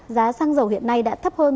giá xăng dầu hiện nay đã thấp hơn